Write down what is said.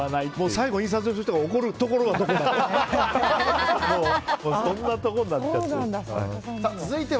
最後、印刷所の人が怒るところはどこだ？って。